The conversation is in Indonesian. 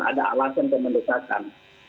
ada alasan kemendeksaan